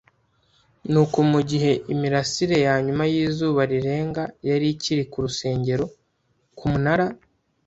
Nuko mu gihe imirasire ya nyuma y'izuba rirenga, yari ikiri ku rusengero, ku munara